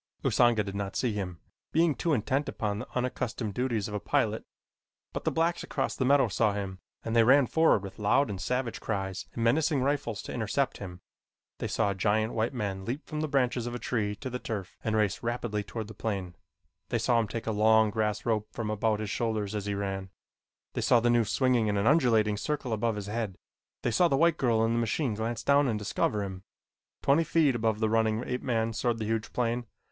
Usanga did not see him, being too intent upon the unaccustomed duties of a pilot, but the blacks across the meadow saw him and they ran forward with loud and savage cries and menacing rifles to intercept him. They saw a giant white man leap from the branches of a tree to the turf and race rapidly toward the plane. They saw him take a long grass rope from about his shoulders as he ran. They saw the noose swinging in an undulating circle above his head. They saw the white girl in the machine glance down and discover him. Twenty feet above the running ape man soared the huge plane.